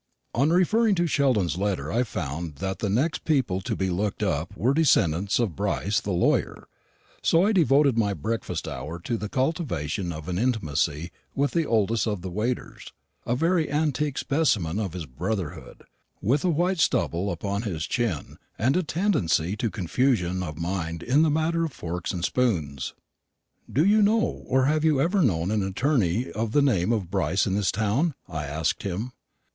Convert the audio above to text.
On referring to Sheldon's letter I found that the next people to be looked up were descendants of Brice the lawyer; so I devoted my breakfast hour to the cultivation of an intimacy with the oldest of the waiters a very antique specimen of his brotherhood, with a white stubble upon his chin and a tendency to confusion of mind in the matter of forks and spoons. "Do you know, or have you ever known, an attorney of the name of Brice in this town?" I asked him.